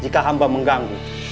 jika hamba mengganggu